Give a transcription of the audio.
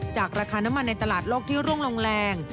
ราคาน้ำมันในตลาดโลกที่ร่วงลงแรง